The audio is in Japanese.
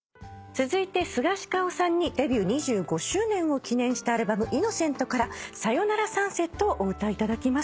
続いてスガシカオさんにデビュー２５周年を記念したアルバム『イノセント』から『さよならサンセット』をお歌いいただきます。